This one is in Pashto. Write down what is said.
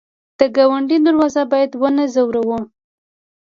د ګاونډي دروازه باید ونه ځوروو